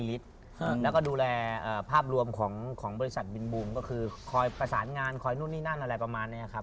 แล้วก็ดูแลภาพรวมของบริษัทบินบูมก็คือคอยประสานงานคอยนู่นนี่นั่นอะไรประมาณนี้ครับ